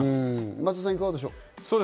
松田さん、いかがでしょうか？